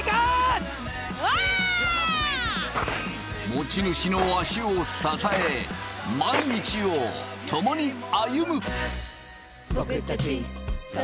持ち主の足を支え毎日を共に歩む！